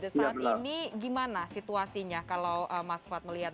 saat ini gimana situasinya kalau mas fad melihat